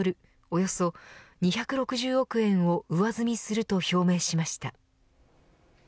およそ２６０億円を上積みすると表明しました。